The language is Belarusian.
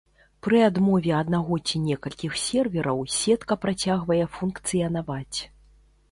Пры адмове аднаго ці некалькіх сервераў, сетка працягвае функцыянаваць.